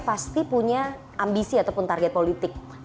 pasti punya ambisi ataupun target politik secara personal